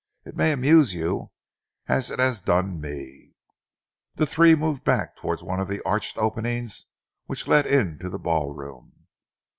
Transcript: It may amuse you as it has done me." The three moved back towards one of the arched openings which led into the ballroom.